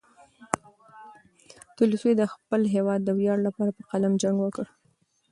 تولستوی د خپل هېواد د ویاړ لپاره په قلم جنګ وکړ.